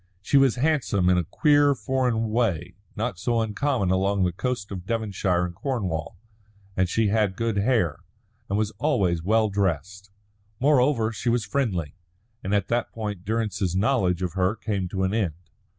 She was handsome in a queer, foreign way not so uncommon along the coasts of Devonshire and Cornwall, and she had good hair, and was always well dressed. Moreover, she was friendly. And at that point Durrance's knowledge of her came to an end.